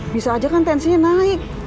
bisa aja kan tensinya naik